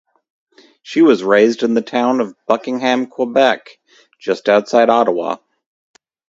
She was raised in the town of Buckingham, Quebec, just outside Ottawa.